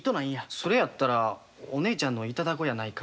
「それやったらお姉ちゃんの頂こうやないか」